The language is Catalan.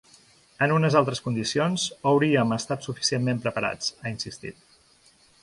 En unes altres condicions, hauríem estat suficientment preparats, ha insistit.